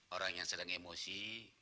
orang yang sedang emosi